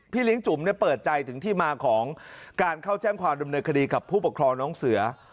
เลี้ยงจุ๋มเปิดใจถึงที่มาของการเข้าแจ้งความดำเนินคดีกับผู้ปกครองน้องเสือ